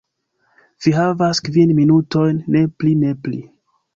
Vi havas kvin minutojn. Ne pli. Ne pli."